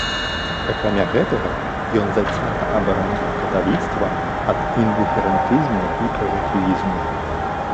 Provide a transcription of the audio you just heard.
Акрамя гэтага, ён зацята абараняў каталіцтва ад індыферэнтызму і рэлятывізму.